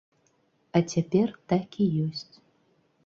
А цяпер так і ёсць.